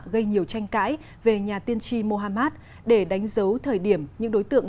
gây nhiều tranh cãi về nhà tiên tri mohammad để đánh dấu thời điểm những đối tượng